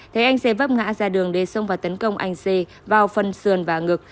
thế anh c vấp ngã ra đường để xông và tấn công anh c vào phân xườn và ngực